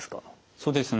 そうですね。